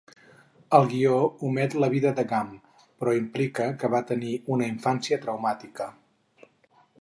El guió omet la vida de Gumb, però implica que va tenir una infància traumàtica.